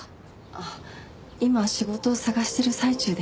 あっ今仕事を探してる最中で。